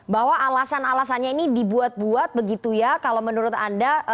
bahwa alasan alasannya ini dibuat buat begitu ya kalau menurut anda